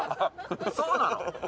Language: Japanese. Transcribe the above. そうなの？